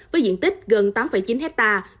với diện tích gần tám chín hectare